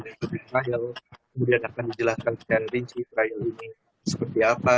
itulah yang kemudian akan dijelaskan secara rinci trial ini seperti apa